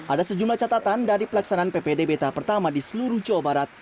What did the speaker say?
ada sejumlah catatan dari pelaksanaan ppdb tahap pertama di seluruh jawa barat